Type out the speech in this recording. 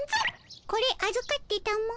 これあずかってたも。